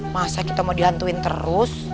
masa kita mau dilantuin terus